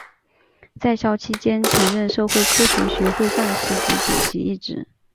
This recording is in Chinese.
在校期间曾任社会科学学会干事及主席一职。